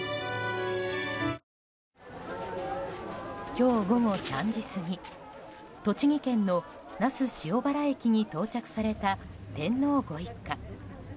今日午後３時過ぎ栃木県の那須塩原駅に到着された天皇ご一家。